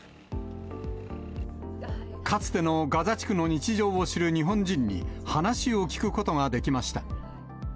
かつてのガザ地区の日常を知る日本人に、話を聞くことができました。